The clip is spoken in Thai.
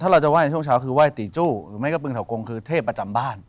เราจะไห้ในช่วงเช้าคือไหว้ตีจู้หรือไม่ก็ปึงเถากงคือเทพประจำบ้าน